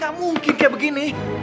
gak mungkin kayak begini